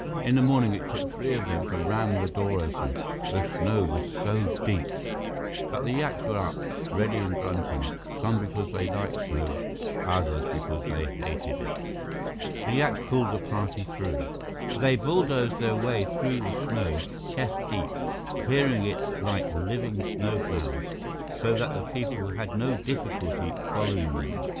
In the morning it took three of them to ram the door open, the snow was so deep. But the yaks were up, ready and grunting some because they liked snow; others because they hated it. The yaks pulled the party through. They bulldozed their way through the snow, chest deep, clearing it like living snowplows, so that the people had no difficulty following them.